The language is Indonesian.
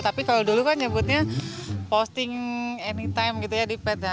tapi kalau dulu kan nyebutnya posting anytime gitu ya di pat